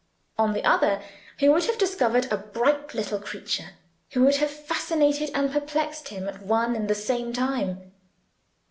On the other, he would have discovered a bright little creature, who would have fascinated and perplexed him at one and the same time.